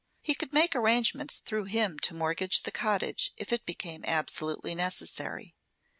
He could make arrangements through him to mortgage the cottage if it became absolutely necessary.